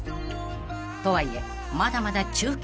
［とはいえまだまだ中堅芸人］